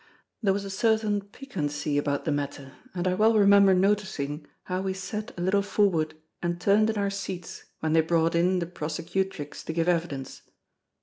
There was a certain piquancy about the matter, and I well remember noticing how we sat a little forward and turned in our seats when they brought in the prosecutrix to give evidence.